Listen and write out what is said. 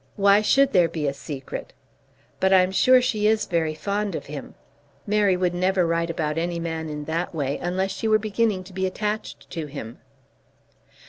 Why should there be a secret? But I'm sure she is very fond of him. Mary would never write about any man in that way unless she were beginning to be attached to him."